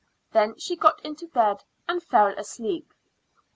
Then she got into bed and fell asleep.